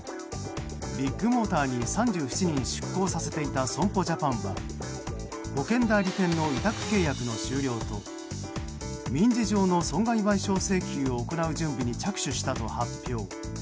ビッグモーターに３７人出向させていた損保ジャパンは保険代理店の委託契約の終了と民事上の損害賠償請求を行う準備に着手したと発表。